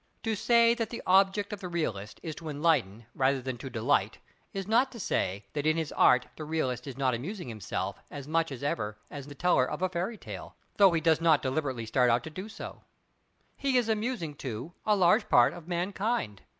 To say that the object of the realist is to enlighten rather than to delight, is not to say that in his art the realist is not amusing himself as much as ever is the teller of a fairy tale, though he does not deliberately start out to do so; he is amusing, too, a large part of mankind.